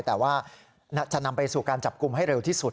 แต่ว่าจะนำไปสู่การจับกลุ่มให้เร็วที่สุด